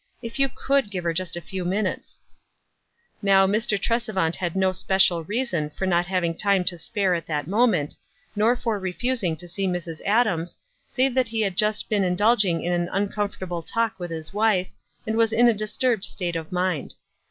If you could give her just a few minutes." 85 WISE AND OTHERWISE. Now, Mr. Trcsevant had no special reason for not having time to spare at that moment, nor for refusing to see Mrs. Adams, save that he had just been indulging in an uncomfortable talk with his wife, and was in a disturbed state of mind.